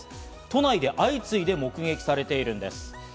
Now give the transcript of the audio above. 都内で相次いで目撃されているんです。